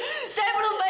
mama sudah meninggal